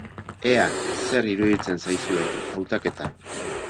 Ea zer iruditzen zaizuen hautaketa.